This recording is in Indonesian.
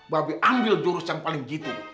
babi ambil jurus yang paling jitu